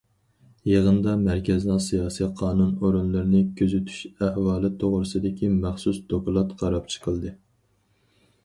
يىغىندا« مەركەزنىڭ سىياسىي- قانۇن ئورۇنلىرىنى كۆزىتىش ئەھۋالى توغرىسىدىكى مەخسۇس دوكلات» قاراپ چىقىلدى.